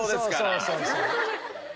そうそうそうそう。